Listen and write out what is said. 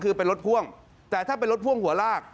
คือเป็นรถพ่วงแต่ถ้าเป็นรถพ่วงหัวลาก